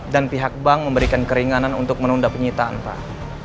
dan pihak bank memberikan keringanan untuk menunda penyitaan pak